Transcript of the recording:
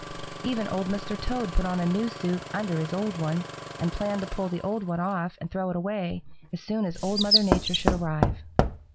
Even Old Mr. Toad put on a new suit under his old one, and planned to pull the old one off and throw it away as soon as Old Mother Nature should arrive.